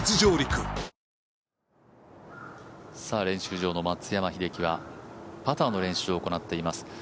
練習場の松山英樹は、パターの練習を行っています。